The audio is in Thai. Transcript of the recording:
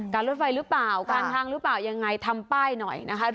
รถไฟหรือเปล่าการทางหรือเปล่ายังไงทำป้ายหน่อยนะคะ